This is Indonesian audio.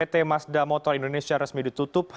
pt mazda motor indonesia resmi ditutup